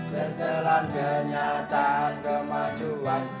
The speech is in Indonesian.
tertelan kenyataan kemajuan